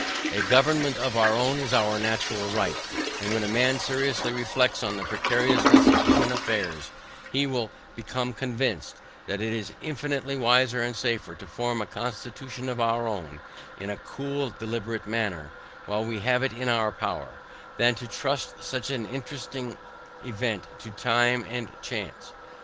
A government of our own is our natural right: And when a man seriously reflects on the precariousness of human affairs, he will become convinced, that it is infinitely wiser and safer, to form a constitution of our own in a cool deliberate manner, while we have it in our power, than to trust such an interesting event to time and chance.